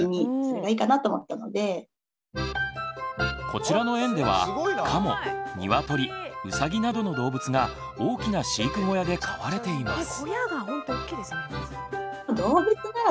こちらの園ではカモニワトリウサギなどの動物が大きな飼育小屋で飼われています。